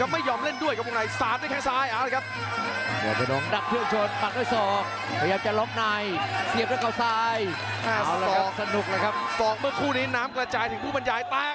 ไม่ยอมเล่นด้วยกับคนไหน๓ด้วยแค่ซ้าย